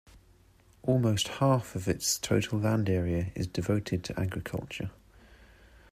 Almost half of its total land area is devoted to agriculture.